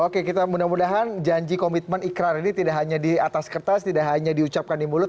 oke kita mudah mudahan janji komitmen ikrar ini tidak hanya di atas kertas tidak hanya diucapkan di mulut